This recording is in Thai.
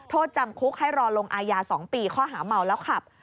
โทษจำคุกให้รอลงอายา๒ปีข้อหาเมาแล้วขับ